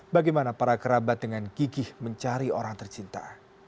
bagaimana para kerabat dengan gigih mencari orang tercinta